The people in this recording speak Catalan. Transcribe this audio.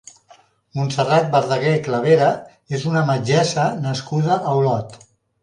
Montserrat Verdaguer Clavera és una metgessa nascuda a Olot.